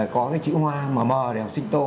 có cái chữ hoa mà mờ để học sinh tô